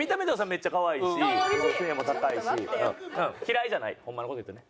めっちゃ可愛いし背も高いし嫌いじゃないホンマの事言うとね。